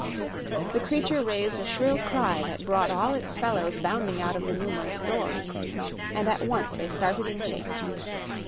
The creature raised a shrill cry that brought all of its fellows bounding out of the numerous doors, and at once they started in chase.